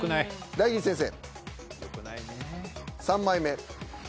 大吉先生。